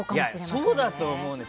そうだと思うね。